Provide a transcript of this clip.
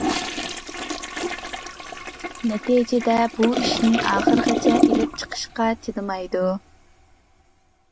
نەتىجىدە بۇ ئىشنى ئاخىرىغىچە ئېلىپ چىقىشقا چىدىمايدۇ.